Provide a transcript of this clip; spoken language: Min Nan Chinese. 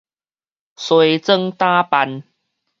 梳妝打扮